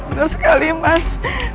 bener sekali mas